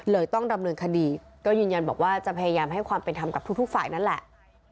ต้องดำเนินคดีก็ยืนยันบอกว่าจะพยายามให้ความเป็นธรรมกับทุกฝ่ายนั่นแหละ